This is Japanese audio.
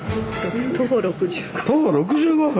徒歩６５分